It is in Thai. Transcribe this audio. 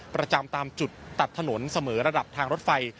ประจำตามจุดตัดถนนเสมอระดับทางรถไฟ